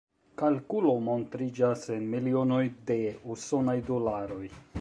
Kalkulo montriĝas en milionoj de usonaj dolaroj.